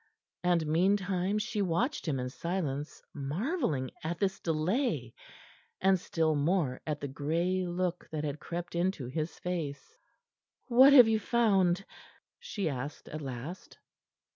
And meantime she watched him in silence, marvelling at this delay, and still more at the gray look that had crept into his face. "What have you found?" she asked at last.